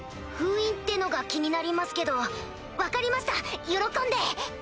封印ってのが気になりますけど分かりました喜んで！